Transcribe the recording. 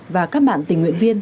và các bạn tình nguyện viên